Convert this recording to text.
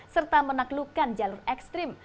serta menaklukkan jalur ekstrim